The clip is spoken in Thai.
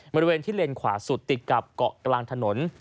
บริเวณที่เลนขวาสุดติดกับเกาะกลางถนน